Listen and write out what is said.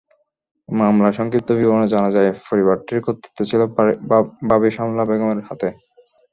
মামলার সংক্ষিপ্ত বিবরণে জানা যায়, পরিবারটির কর্তৃত্ব ছিল ভাবি সালমা বেগমের হাতে।